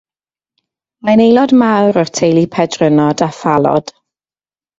Mae'n aelod mawr o'r teulu pedrynod a phalod.